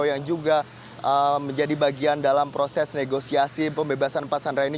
yang juga menjadi bagian dalam proses negosiasi pembebasan empat sandera ini